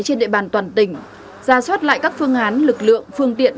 trên địa bàn toàn tỉnh ra soát lại các phương án lực lượng phương tiện